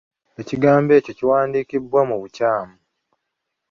Ekigambo ekyo kyawandiikibwa mu bukyamu.